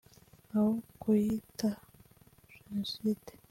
aho kuyita Jenoside